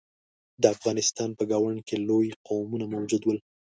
د افغانستان په ګاونډ کې لوی قومونه موجود ول.